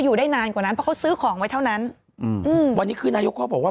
อยู่ได้นานกว่านั้นเพราะเขาซื้อของไว้เท่านั้นอืมวันนี้คือนายกเขาบอกว่า